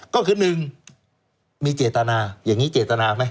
ก็คือ๑มีเจตนาอย่างนี้เจตนาไหม